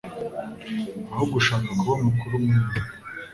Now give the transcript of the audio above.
ahubwo ushaka kuba mukuru muri mwe